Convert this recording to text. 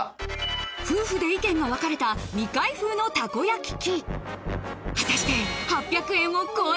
夫婦で意見が分かれた未開封のたこ焼き